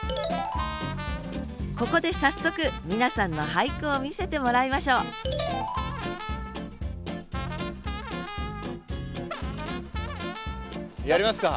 ここで早速皆さんの俳句を見せてもらいましょうやりますか！